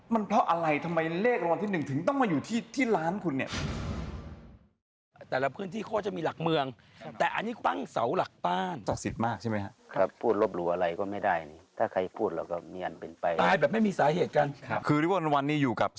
มันเพราะอะไรทำไมเลขรางวัลที่๑ถึงต้องมาอยู่ที่ร้านคุณเนี่ย